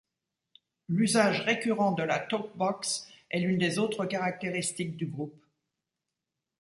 L'usage récurrent de la Talkbox est l'une des autres caractéristiques du groupe.